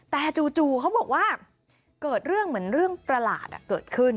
แต่จู่เขาบอกว่าเกิดเรื่องเหมือนเรื่องประหลาดเกิดขึ้น